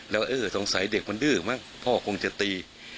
แล้วเออสงสัยเด็กมันดื้อมั้งพ่อคงจะตี